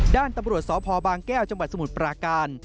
ด้านตำรวจสพแก้วจสมุทรปราการ